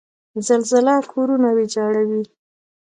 زلزله کورونه ویجاړوي.